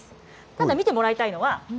ただ、見てもらいたいのは。